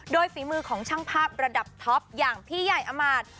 โดยฝีมือของช่างภาพระดับท็อปอย่างพี่ใหญ่อมาตย์